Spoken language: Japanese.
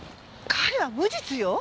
彼は無実よ。